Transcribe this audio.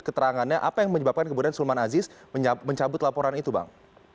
keterangannya apa yang menyebabkan kemudian sulman aziz mencabut laporan itu bang